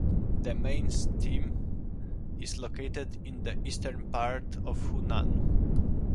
The Main Stem is located in the eastern part of Hunan.